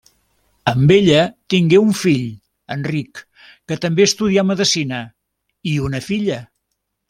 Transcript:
Amb ella tingué un fill, Enric, que també estudià medicina, i una filla.